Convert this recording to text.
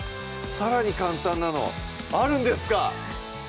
さらに簡単なのあるんですか！